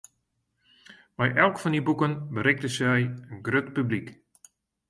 Mei elk fan dy boeken berikte sy in grut publyk.